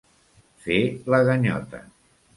Fer la ganyota.